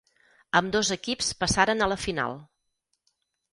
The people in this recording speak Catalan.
Ambdós equips passaren a la final.